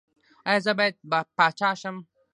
ایا زه باید پاچا شم؟